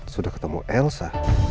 sudah ketemu elsa